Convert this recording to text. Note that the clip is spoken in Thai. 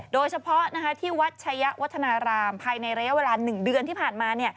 โดยเฉพาะที่วัดชายะวัฒนารามภายในระยะเวลา๑เดือนที่ผ่านมา